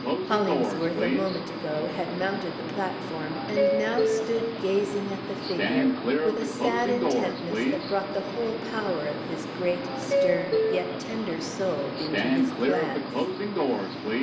Hollingsworth, a moment ago, had mounted the platform, and now stood gazing at the figure, with a sad intentness that brought the whole power of his great, stern, yet tender soul into his glance.